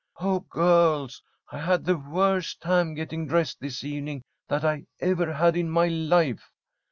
"Oh, girls, I had the worst time getting dressed this evening that I ever had in my life.